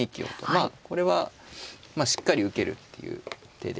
まあこれはしっかり受けるっていう手で。